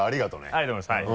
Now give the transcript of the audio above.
ありがとうございますはい。